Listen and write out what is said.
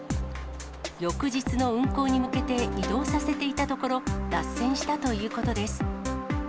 翌日の運行に向けて移動させていたところ、脱線したということです。